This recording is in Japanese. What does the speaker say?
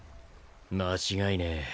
間違いねえ。